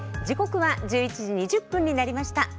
時刻は１１時２０分になりました。